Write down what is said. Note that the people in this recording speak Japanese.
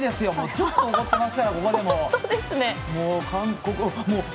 ずっと怒ってますよ、ここでも。